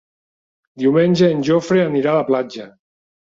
Diumenge en Jofre anirà a la platja.